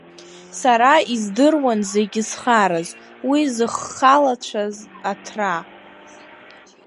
Сара издыруан зегьы зхараз, уи зыххалацәаз аҭра…